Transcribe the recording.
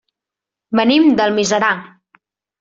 Venim d'Almiserà.